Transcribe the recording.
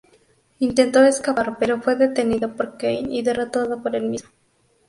Intento escapar pero fue detenido por Kane y derrotado por el mismo.